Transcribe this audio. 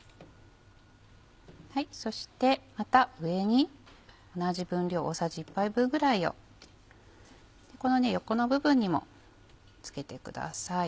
そしてまた上に同じ分量大さじ１杯分ぐらいをこの横の部分にも付けてください。